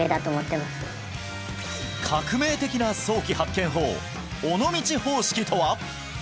革命的な早期発見法尾道方式とは！？